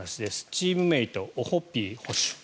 チームメート、オホッピー捕手。